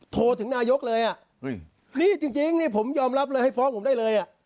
โทรถึงนายกเลยอ่ะนี่จริงนี่ผมยอมรับเลยให้ฟ้องผมได้เลยอ่ะ